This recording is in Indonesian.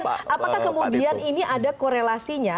apakah kemudian ini ada korelasinya